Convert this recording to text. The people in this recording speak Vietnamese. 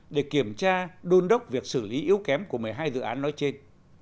để kiểm tra đôn đốc việc xử lý yếu kém của một mươi hai dự án nói trên